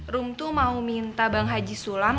rum tuh mau minta bang haji sulam